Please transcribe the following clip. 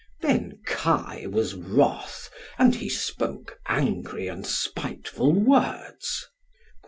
Then Kai was wrath, and he spoke angry and spiteful words.